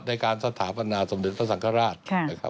ในการสถาปนาสมดิตรสังคราช